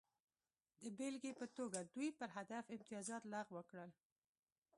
د بېلګې په توګه دوی پر هدف امتیازات لغوه کړل